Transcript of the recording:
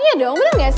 iya dong bener gak sih